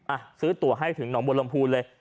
ะซื้อตัวให้ถึงหล่อมบรมภูตร์เลย